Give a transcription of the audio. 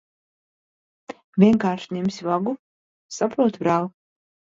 Vienkārši ņemsi vagu? Saprotu, brāl'.